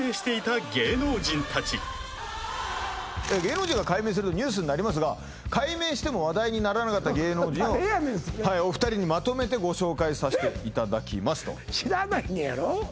芸能人が改名するとニュースになりますが改名しても話題にならなかった芸能人を誰やねんそれお二人にまとめてご紹介させていただきますと知らないねやろ？